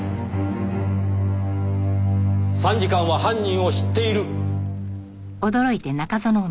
参事官は犯人を知っている。